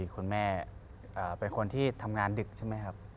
คุณแม่เป็นคนที่ทำงานดึกใช่ไหมครับ